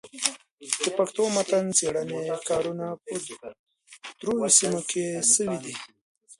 د پښتو متن څېړني کارونه په درو سيمو کي سوي دي.